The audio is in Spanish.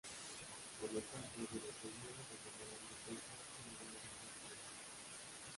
Por lo tanto, durante el juego se cambiarán de fechas y lugares rápidamente.